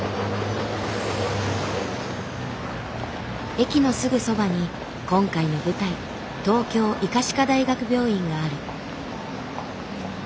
駅のすぐそばに今回の舞台東京医科歯科大学病院がある。